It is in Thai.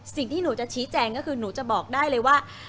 สิ่งที่หนูจะชี้แจงก็คือหนูจะบอกได้เลยว่า